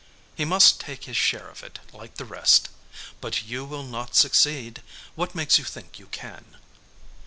He must take his share of it, like the rest. But you will not succeed. What makes you think you can?"